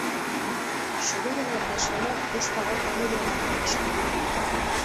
Subiranotasuna ez dago familia baten esku.